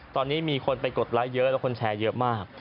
ตอนนี้มีคนไปกดไลค์เยอะแล้วคนแชร์เยอะมาก